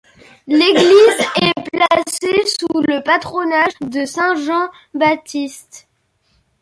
L'église est placée sous le patronage de saint Jean-Baptiste.